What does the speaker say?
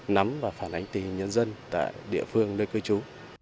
nắm và phản ánh tình hình nhân dân tại địa phương nơi cư trú